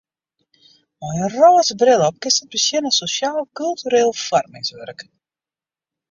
Mei in rôze bril op kinst it besjen as sosjaal-kultureel foarmingswurk.